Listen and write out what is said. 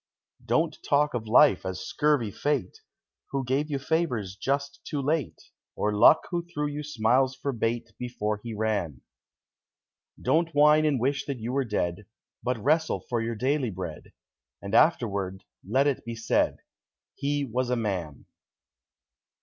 Don't talk of Life as scurvy Fate, Who gave you favors just too late, Or Luck who threw you smiles for bait Before he ran. Don't whine and wish that you were dead, But wrestle for your daily bread, And afterward let it be said "He was a man."